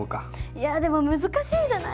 いやでも難しいんじゃない？